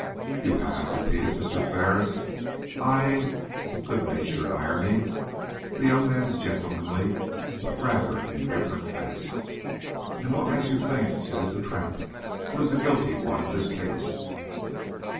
"You have?" repeated Mr. Ferris, eying, with good natured irony, the young man's gentlemanly but rather indifferent face. "And what makes you think it is the tramp who is the guilty one in this case?